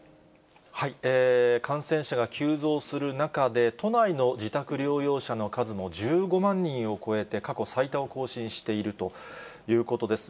感染者が急増する中で、都内の自宅療養者の数も１５万人を超えて、過去最多を更新しているということです。